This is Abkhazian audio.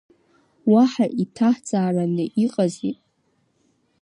Уаҳа иҭаҳҵаараны иҟа зи?